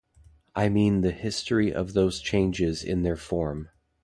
I mean the history of those changes in their form.